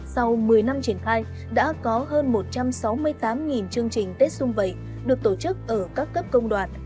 sau một mươi năm triển khai đã có hơn một trăm sáu mươi tám chương trình tết xung vẩy được tổ chức ở các cấp công đoàn